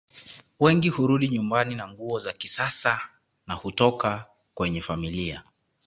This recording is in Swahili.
Wengi hurudi nyumbani na nguo za kisasa na hutoka kwenye familia